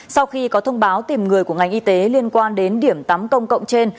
sau khi có thông báo tìm người của ngành y tế liên quan đến điểm tắm công cộng trên